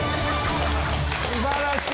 すばらしい！